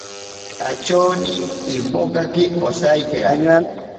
Atyoni impokaki osaikera.